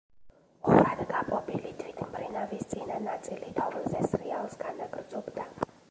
ორად გაპობილი თვითმფრინავის წინა ნაწილი თოვლზე სრიალს განაგრძობდა.